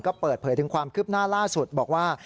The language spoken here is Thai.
ก็เปิดเผยถึงความคืบหน้าล่าสุดบอกว่า